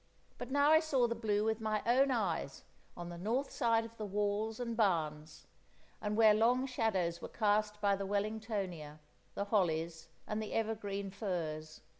But now I saw the blue with my own eyes on the north side of the walls and barns, and where long shadows were cast by the Wellingtonia, the hollies, and the evergreen firs.